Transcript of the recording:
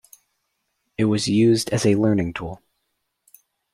It was used as a learning tool.